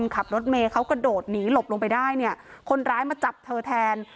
ขับรถเมย์เขากระโดดหนีหลบลงไปได้เนี่ยคนร้ายมาจับเธอแทน